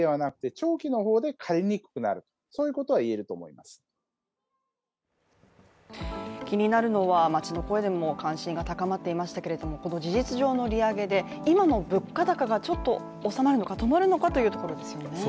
また、住宅ローンについては気になるのは、街の声でも関心が高まっていましたけれども、この事実上の利上げで今の物価高がちょっと収まるのか、止まるのかというところですよね。